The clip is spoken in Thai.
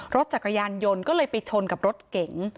รถจักรยานยนต์ก็เลยไปชนกับรถเก๋ง